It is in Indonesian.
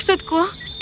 itu bukan maksudku